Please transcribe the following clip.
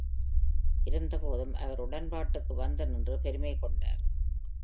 இருந்தபோதும், அவர் உடன்பாட்டுக்கு வந்து நின்று பெருமைக்கொண்டார்.